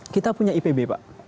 kita punya ipb pak